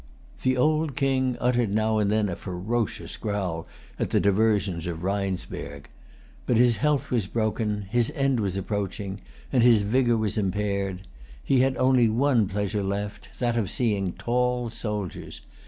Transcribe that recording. The old King uttered now and then a ferocious growl at the diversions of Rheinsberg. But his health was broken; his end was approaching; and his vigor was impaired. He had only one pleasure left, that of seeing tall soldiers.